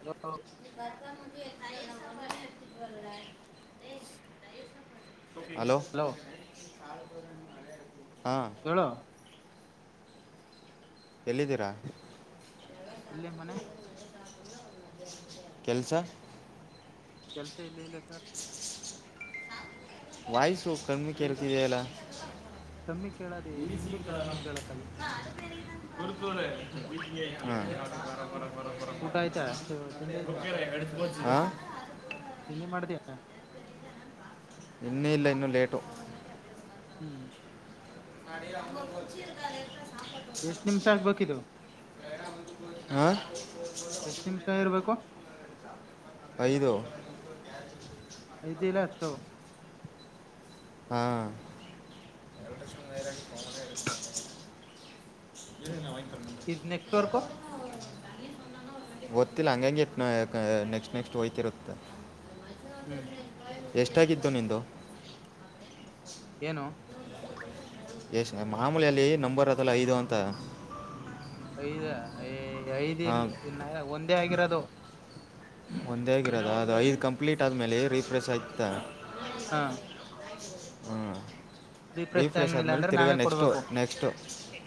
hello [unintelligible] hello ಹಾಂ ಹೇಳ ಎಲ್ಲಿದಿರಾ ಇಲ್ಲೇ ಮನೆ ಕೆಲ್ಸ ಕೆಲ್ಸ ಎಲ್ಲೂ ಇಲ್ಲ ಸರ್ ವಾಯ್ಸು ಕಮ್ಮಿ ಕೇಳ್ತಾ ಇದೆಯಲ್ಲ ಕಮ್ಮಿ ಕೇಳದಿ ಈ ಸಿ ನಿಮ್ದು ಕ ಕಮ್ಮಿನೇ ಕೇಳದು ಕುತಣ [unintelligible] ಊಟ ಆಐತಾ ತಿಂಡ ಆಐತಾ ಹಾ ತಿಂಡಿ ಮಾದ್ದ ಇನ್ನೂ ಇಲ್ಲ ಇನ್ನೂ ಲೇಟು ಹ್ಮ್ [unintelligible] ಎಷ್ಟ್ ನಿಮ್ಷ ಆಗ್ಬೇಕಿದು ಆ ಎಷ್ಟು ನಿಮಿಷ ಇರ್ಬೇಕು ಐದು [unintelligible] ಇದಲ್ಲ ಎತ್ತೋ ಹಾ [unintelligible] ಇದು್ ನೆಟ್ವರ್ಕ ಗೊತಿಲ್ಲ ಹಂಗಂಗಗೆ ನೆಕ್ಸ್ಟ್ ನೆಕ್ಸ್ಟ್ ಹೋಯ್ತಿರುತ್ತ ಹ್ಮ್ ಹ್ಮ್ ಎಷ್ಟಾಗಿತ್ತು ನಿಂದು ಏನು ಎಶ್ ಮಾಮೂಲಲ್ಲಿ ನಂಬರ್ ಅದಲ್ಲ ಐದು ಅಂತ ಐದ್ ಐದ್ ಇ ಹಾಂ ಒಂದೇ ಆಗಿರೋದು ಒಂದೇ ಆಗಿರೋದು ಅದು ಐದು ಕಂಪ್ಲೀಟ್ ಆದ್ಮೇಲೆ ರೀಫ್ರೆಶ್ ಆಯ್ತ ಹಾ ಹಾ ರೀಫ್ರೆಷ್ ಆಗ್ಲಿಲ್ಲ ಆದ್ಮೇಲೆ ಅಂದ್ರೆ ತಿರುಗಾ ನಾವೇ ನೆಕ್ಸ್ಟು ಕೊಡ್ಬೇಕು ನೆಕ್ಸ್ಟ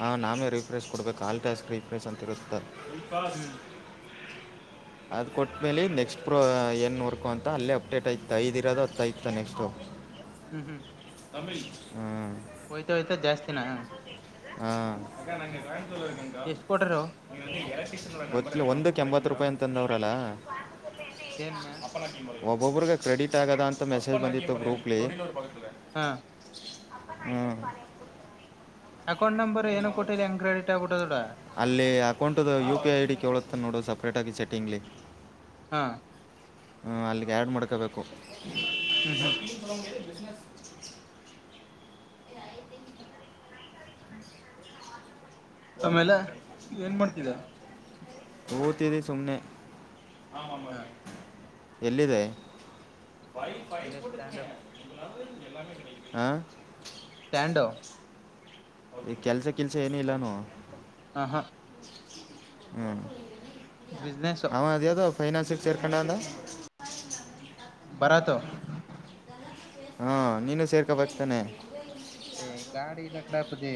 ಆ ನಮೇ ರೀಫ್ರೇಸ್ ಕೊಡ್ಬೇಕು ಹಾಲ್ಟ್ಯಾಸ್ಗೆ ರೀಫ್್ರೇಸ್ ಅಂತಿರುತ್ತೆ ಹ ಹ್ಮ್ ಅದು ಕೊಟ್ಟ್ಮೇಲೆ ನೆಕ್ಸ್ಟ್ ಪ್ರೋ ಏನು ವರ್ಕು ಅಂತ ಅಲ್ಲೇ ಅಪ್ಡೇಟ್ ಆಯತ ಐದುಿರೋದು ಹತ್ತ ಇತ ನೆಕ್ಸ್ಟು ಹ್ಮ್ ಹ್ಮ್ ತಮಿಳ್ ಹ್ಮ ಹೋಯ್ತಾ ಹೋಯ್ತಾ ಜಾಸ್ತಿನ ಹ ಎಷ್ಟ್ ಕೊಟರು ಒಂದ ಎಂಬತ್ತು ರೂಪಾಯಿ ಅಂತಂದವ್ರಲ್ಲ ಎನ್ನ ಒಬ್ಬೊಬ್ಬ್ರಿಗೆ ಕ್ರೆಡಿಟ್ ಆಗದಾ ಅಂತ ಮೆಸೇಜ್ ಬಂದಿತ್ತು ಗ್ರೂಪ್ಲಿ ಹಾ ಹ್ಮ್ [unintelligible] ಅಕೌಂಟ್ ನಂಬರ್ ಏನು ಕೊಟ್ಟಿಲ್ಲಂಗಗೆ ಕ್ರಡಿಟ್ ಆಗಿಟ್ಟದಡ ಅಲ್ಲಿ ಅಕೌಂಟ್ದ ಯು ಪಿ ಐ ಡಿ ಕೇಳುತ್ತೆ ನೋಡು ಸಪ್ರೇಟಾಗಿ ಸೆಟ್ಟಿಂಗ್ಲಿ ಹಾ ಹ್ಮ ಅಲ್ಲಿಗೆ ಆ್ಯಡ್ ಮಾಡ್ಕೊಬೇಕು [unintelligible] [inaudible] ಆಮೇಲೆ ಏನ್ ಮಾಡ್ತಿದ್ದ [unintelligible] ಸುಮ್ಮನೆ ಹಾ [unintelligible] ಎಲ್ಲಿದೆ ಪೈಪ್ ಇಲ್ಲೇ ಸ್ಟ್ಯಾಂಡ್ ಕೊಡ್ತೇನೆ [unintelligible] ಹಾ ಸ್ಟ್ಯಾಂಡ್ ಈ ಕೆಲ್ಸ ಕೆಲ್ಸ ಏನುೂ ಇಲ್ಲಾನ ಹ ಹಾ ಹ್ಮ್ ಬಿಿಸ್ನೆಸ್ ಫೈನಾಾನ್ಸಿಗೆ ಚೇರ್ಕಂಡಂತ ಬರಾತವೂ ಹಾ ನೀನುೂ ಸೇರ್ಕೋಬಕ್ತಾನೆ ಹೇ ಗಾಡಿ ನ ಕಡೆಪ್ಪದೆ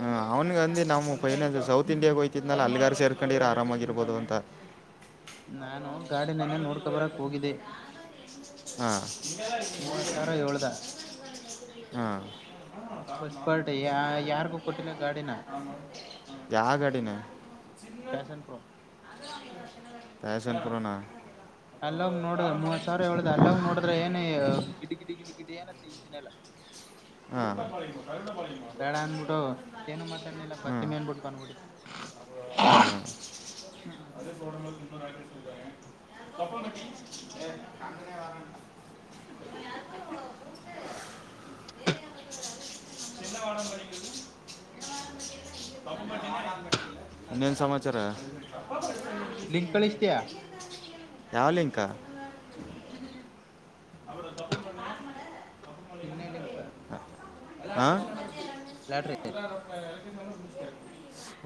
ಹ ಅವ್ನ್ಗ ಅಂದ ನಮ್ಮ್ ಫೈನ ಸೌತ್ ಇಂಡಿಯಾಗ ಹೋ್ತಿದ್ನಾಲ ಅಲ್ಲಿಗಾರು ಸೇರ್ಕೊಂಡಿರ ಆರಾಮಾಗಿರ್ಬೋದು ಅಂತ [unintelligible] ನಾನು ಗಾಡಿ ನೆನ್ನೆ ನೋಡ್ಕೊ ಬರಕ್ ಹೋಗಿದ್ದೆ ಮೂವತ್ ಸಾವಿರ ಹೇಳ್ದ ಹಾ [unintelligible] ಹಾ ಫಸ್ಟ್ ಪಾರ್ಟಿ ಯ ಯಾರ್ಗೂ ಕೊಟ್ಟಿಲ್ಲ ಗಾಡಿನ ಯಾವ ಗಾಡಿನ ಪ್ಯಾಶನ್ಪ್ರೊ [unintelligible] ಪ್ಯಾಶನ್ ಪ್ರೊ ನಾ ಅಲ್ಲಂಗ್ ನೋಡುದ್ರ ಮೂವತ್ ಸಾವಿರ ಹೇಳುದ ಅಲ್ಲ್ ನೋಡ್ರೆ ಏನೇ ಗಿಡಿ ಗಿಡಿ ಗಿಡಿ ಕಿಡಿಯಾನ ತಿಂಜ ನಲ ಹ್ಮ್ ಅನ್ಬಿಟ್ಟು ಏನು ಮಾತಾಡ್ನಿಲ್ಲ ಬತ್ತಿ ಮೇನ್ಬಿಟ್ಟು [unintelligible] ಬಂದ್ಬಿಟ್ಟಿ ಹ್ಮ್ ಹ್ಮ್ [unintelligible] [unintelligible] [unintelligible] ಎಲ್ಲ ಮಾಡಳ ನೀವು [unintelligible] ಏನ್ ಏನೋ ಸಮಾಚಾರ [unintelligible] ಲಿಂಕಳಷ್ಟ್ತೆಯ ಯಾವ ಲಿಂಕ್ [unintelligible] ಇನ್ನ ಲಿಂಕ್ಪ ಹಾ [unintelligible] ಲಾಟ್ರಿ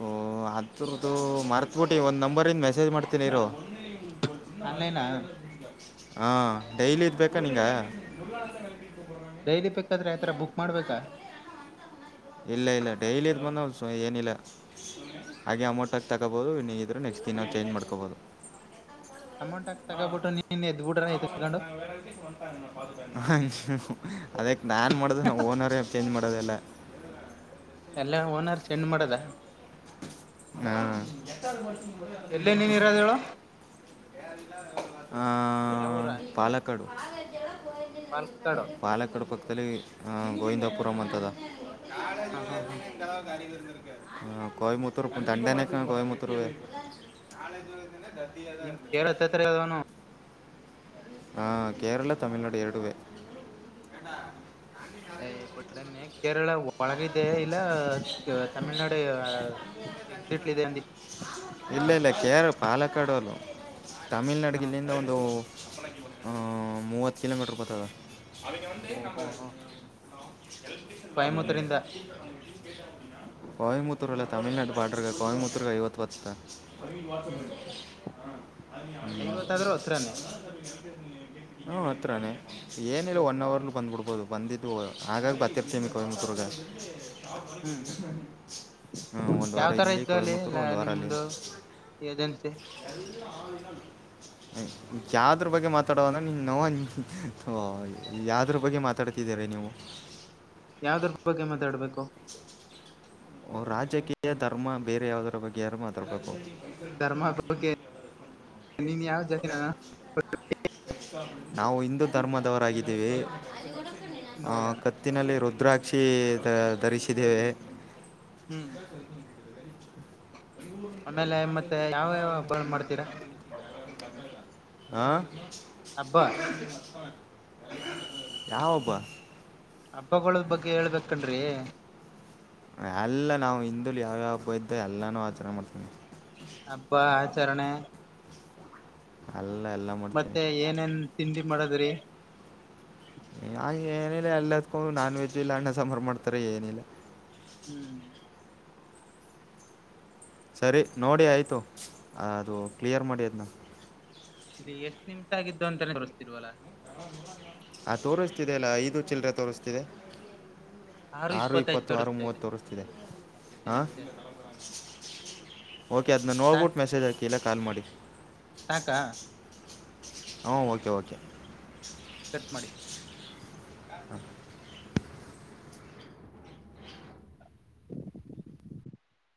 ಓಹ ಹತ್ರದ್ದು ಮರ್ತ್ಬಿಟ್ಟ ಒಂದ್ ನಂಬರಿಂದ ಮೆಸೇಜ್ ಮಾಡ್ತೀನಿ ಇರು ಆನ್ಲೈನಾ ಹಾ ಡೈಲಿ ಇದ್ ಬೇಕಾ ನೀಂಗ ಡೈಲಿ ಬೇಕಾದ್ರೆ ಆತರ ಬುಕ್ ಮಾಡ್ಬೇಕಾ ಇಲ್ಲ ಇಲ್ಲ ಡೈಲಿ ಇದದು ಬಂದ ಏನಿಲ್ಲ ಹಾಗೆ ಅಮೌಂಟಾಗಿ ತಗೋಬೋದು ನೀಗಿದ್ರು ನೆಕ್ಸ್ಟ್ ದಿನ ನಾವು ಚೇಂಜ್ ಮಾಡ್ಕೊಬೋದು ಅಮೌಂಟ್ ಹಾಕ್ ತಗೋಬಿಟ್ಟು ನೀನ್ ಎದ್ ಬಿಡ್ರ ಎತ್ಕೊಂಡು [unintelligible] ಅದಕ್ಕೆ ನಾನನ್ ಮಾಡೋ ನಾವು ಓನರೇ ಚೇಜ್ ಮಾಡೋದಲ್ಲ ಎಲ್ಲ ಓನರ್ ಚೆಂಡ ಮಾಡದ ಹಾ ಎಲ್ಲೇ ನೀನ್ ಇರೋದ ಹೇಳು [unintelligible] ಆ ಯಾವ ಊರ ಪಾಲಕ್ಕಾಡು [unintelligible] [unintelligible] ಲ್ಲಿ ಗೋವಿಂದಪುರಮ ಅಂತದ [unintelligible] ಹ ಹ ಹ ಹ್ಮ ಕಯಮುತ್ತೂರು ಇ ದಂಡೆನಕ್ಕ ಕಯಮುತ್ತೂರು ನದಿ [unintelligible] [unintelligible] ಹಾ ಕೇರಳ ತಮಳ್ನಾಡು ಎರಡುವೇ ಯೈ [unintelligible] ಕೇರಳ ಒಳಗಿದೆ ಇಲ್ಲ ತಮಿಳ್ನಾಡು ಎಕ್ಸಿಟ್ಲಿದೆ ಅಂದಿ ಇಲ್ಲ ಇಲ್ಲ ಕೇರ್ ಪಾಲಕಾಡಲ್ಲ ಹ ತಮಿಳ್ನಾಡಿಗ್ಲ್ಲಿಂದ ಒಂದು ಹಾ ಮೂವತ್ತು ಕಿಲೋಮೀಟರ್ ಬತದ ಓಹೋ ಹೋ ಕೊಯಮತ್ತೂರಿಂದ [unintelligible] ಕಯಮುುತ್ತೂರುಲ್ಲ ತಮಳ್ನಾಡು ಬಾರ್ಡರ್ಗೆ ಕಯಮುುತ್ತೂರುಗ ಐವತ್ತು ಬತ್ತದ ಹ್ಮ್ [unintelligible] ಐವತ್ತಾದ್ರೂ ಹತ್ರನೇ ಹ್ಮ ಹತ್ರಾನೇ ಏನಿಲ್ಲ ಒನ್ ಹ್ಮ್ ಅವರ್ಲು ಬಂದ್ಬಿಡ್ಬೋದು ಬಂದಿದ್ದು ಹಾಗಾಗ್ ಬತ್ತಿರ್ತಿನಿ ಕೊಯಮುತ್ತೂರ್ಗೆ ಹ್ಮ್ ಹಾ ಒಂದು ವಾರ ಯಾವ್ ತರ ಇಲ್ಲಿ ಇದ್ದು ಅಲ್ಲಿ ಕಯಮುತ್ತೂರು ಇಲ್ಲ ಒಂದ್ ವಾರ ಅಲ್ಲಿ ನಿಮ್ದು [unintelligible] [unintelligible] ಯಾವ್ದ್ರ ಬಗ್ಗೆ ಮಾತಾಡೂ ಅಂದ್ರೆ ನೀ [unintelligible] ಥೊ ಯಾವ್ದುರ್ ಬಗ್ಗೆ [unintelligible] ಜರೆ ನಿವು ಯಾವ್ದ್ರ ಬಗ್ಗೆ ಮಾತಾಡ್ಬೇಕು ರಾಜಕೀಯ ಧರ್ಮ ಬೇರೆ ಯಾವ್ದರ ಬಗ್ಗೆ [unintelligible] ಉತ್ತರ್ಬೇಕು ಧರ್ಮ ಬಗ್ಗೆ ನೀನ್ ಯಾವ್ ಜತಿನ ನಾವು ಹಿಂದೂ ಧರ್ಮದವರಾಗಿದ್ದೀವಿ ಆ ಹೋಗೋಣ ಕತ್ತಿನಲ್ಲಿ [unintelligible] ರುದ್ರಾಕ್ಷಿ ಧರಿಸಿದ್ದೇವೆ ಹ್ಮ್ ಆಮೇಲೆ ಮತ್ತೆ ಯಾವ ಯಾವ ಹಬ್ಬ ಮಾಡ್ತೀರಾ ಹಾ ಹಬ್ಬ ಯಾವ್ ಹಬ್ಬ ಹಬ್ಬಗಳು ಬಗ್ಗೆ ಹೇಳ್ಬೇಕಣ್ರಿ ಎಲ್ಲಾ ನಾವು ಹಿಂದಲಿ ಯಾವ ಯಾವ ಹಬ್ಬ ಇದ್ದವ್ ಎಲ್ಲಾನು ಆಚರಣೆ ಮಾಡ್ತೀವಿ ಹಬ್ಬ [unintelligible] ಎಲ್ಲ ಎಲ್ಲ ಮಾಡ್ತೀವಿ ಮತ್ತೆ ಏನೇನ್ ತಿಂಡಿ ಮಾಡದ್ರೀ ಅಲ್ಲತ್ಕೊಂಡು ನಾನ್ ವೆಜ್ ಇಲ್ಲ ಅಣ್ಣ ಸಂಬಾರ್ ಮಾಡ್ತಾರೆ ಏನಿಲ್ಲ ಹ್ಮ್ ಸರಿ ನೋಡಿ ಆಯ್ತು ಅದು ಕ್ಲಿಯರ್ ಮಾಡಿ ಅದ್ನ ಇಲ್ಲಿ ಎಷ್ಟ್ ನಿಮಿಷ್ [unintelligible] ತಾನೇ ತೊರ್ಸತಿಲವಲ್ಲ ಆ ತೋರಿಸ್ತಿದೆ ಅಲ್ಲ ಐದು ಚಿಲ್ಲ್ರೆ ತೋರಿಸ್ತಿದೆ ಆರು ಇಪ್ಪತ್ತೈದು ಇಪ್ಪತ್ತು ಆರು ತೋರಿಸ್ತಾ ಇದೆ ಮೂವತ್ತು ತೊರಿಸ್ತಿದೆ ಹಾ ಎಸ್ ಎಸ್ ಓಕೆ ಅದ್ನಾ ಸಾಕ್ ನೋಡ್ಬುಟ್ ಮೆಸೇಜ್ ಹಾಕಿ ಇಲ್ಲ ಕಾಲ್ ಮಾಡಿ ಸಾಕಾ ಹಾಂ ಓಕೆ ಓಕೆ ಮಡಿ [unintelligible] [unintelligible]